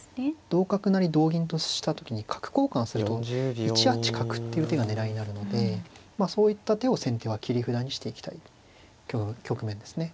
同角成同銀とした時に角交換すると１八角っていう手が狙いになるのでそういった手を先手は切り札にしていきたい局面ですね。